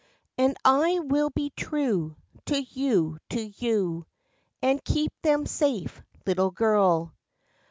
And I will be true To you, to you, And keep them safe Little girl.